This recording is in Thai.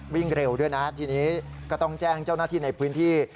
วิ่งเร็วด้วยนะทีนี้ก็ต้องแจ้งเจ้าหน้าที่ในพื้นที่